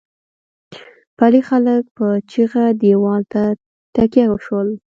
پلې خلک په چيغه دېوال ته تکيه شول.